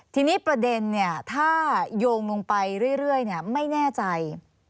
ทีนี้ประเด็นถ้าโยงลงไปเรื่อยไม่แน่ใจ